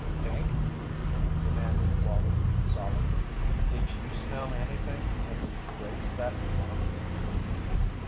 "Pink," demanded Wallie, solemnly, "did you smell anything when he raised that plank?"